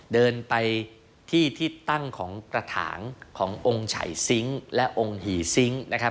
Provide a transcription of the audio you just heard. เดินไปที่ที่ตั้งของกระถางขององค์ไฉซิงค์และองค์หี่ซิงค์นะครับ